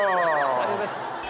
ありがとうございます。